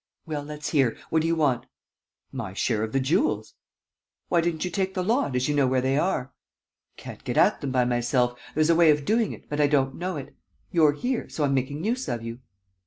"Well, let's hear. What do you want?" "My share of the jewels." "Why didn't you take the lot, as you know where they are?" "Can't get at them by myself. There's a way of doing it, but I don't know it. You're here, so I'm making use of you."